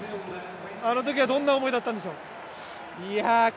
あのときは、どんな思いだったんでしょう？